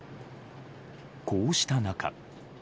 こうした中。